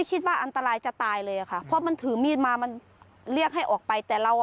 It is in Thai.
ก็วอนตับรวจในพื้นที่ตามลาตัว